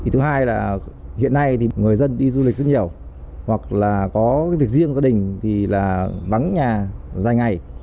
thứ hai là hiện nay người dân đi du lịch rất nhiều hoặc là có việc riêng gia đình thì bắn nhà dài ngày